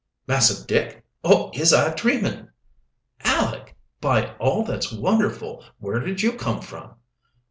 "Massah Dick, or is I dreamin'?" "Aleck, by all that's wonderful! Where did you come from?"